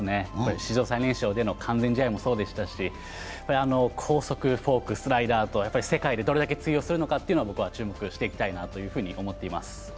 史上最年少での完全試合もそうでしたし、高速フォーク、スライダーと、世界でどれだけ通用するのか、僕は注目していきたいなと思っています。